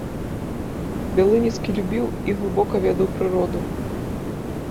Бялыніцкі любіў і глыбока ведаў прыроду.